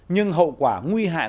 nhưng hậu quả nguy hại